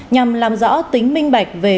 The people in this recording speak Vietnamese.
nhằm làm rõ tính minh bạch về